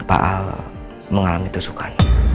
pak al mengalami tusukan